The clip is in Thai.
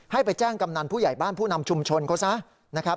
ให้ไปแจ้งกำนันผู้ใหญ่บ้านผู้นำชุมชนเขาซะนะครับ